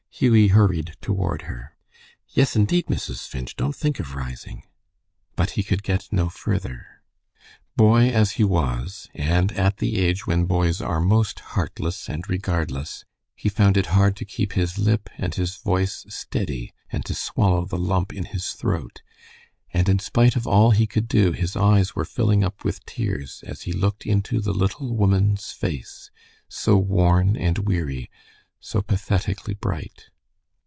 Hughie hurried toward her. "Yes, indeed, Mrs. Finch. Don't think of rising." But he could get no further. Boy as he was, and at the age when boys are most heartless and regardless, he found it hard to keep his lip and his voice steady and to swallow the lump in his throat, and in spite of all he could do his eyes were filling up with tears as he looked into the little woman's face, so worn and weary, so pathetically bright.